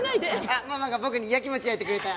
あっママが僕に焼きもち焼いてくれた！